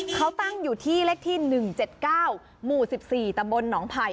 เขาตั้งอยู่ที่เลขที่๑๗๙หมู่๑๔ตำบลหนองไผ่